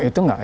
itu nggak itu